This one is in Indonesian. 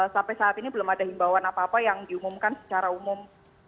sampai saat ini belum ada himbawan apa apa yang diumumkan secara umum